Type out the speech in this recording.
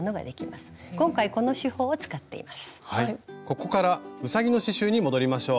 ここからうさぎの刺しゅうに戻りましょう。